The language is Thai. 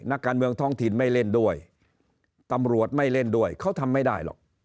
นักการเมืองท้องถิ่นไม่เล่นด้วยตำรวจไม่เล่นด้วยเขาทำไม่ได้หรอก